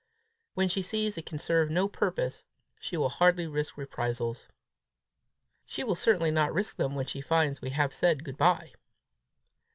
"When she sees it can serve no purpose, she will hardly risk reprisals." "She will certainly not risk them when she finds we have said good bye."